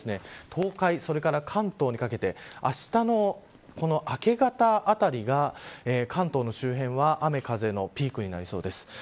東海、それから関東にかけてあしたの明け方あたりが関東の周辺は雨風のピークになりそうです。